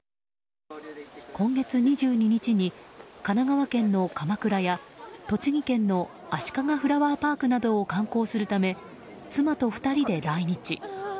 今月２２日に、神奈川県の鎌倉や栃木県のあしかがフラワーパークなどを観光するため、妻と２人で来日。